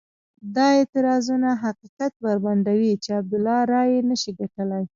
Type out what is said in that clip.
دا اعتراضونه حقیقت بربنډوي چې عبدالله رایې نه شي ګټلای.